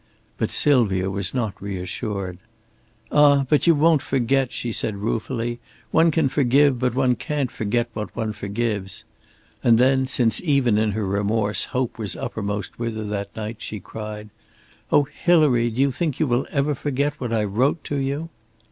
But Sylvia was not reassured. "Ah, but you won't forget," she said, ruefully. "One can forgive, but one can't forget what one forgives," and then since, even in her remorse, hope was uppermost with her that night, she cried, "Oh, Hilary, do you think you ever will forget what I wrote to you?"